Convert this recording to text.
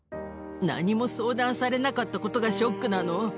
何も相談されなかったことがショックなの。